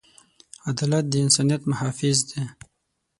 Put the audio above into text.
عدالت د انسانیت محافظ دی.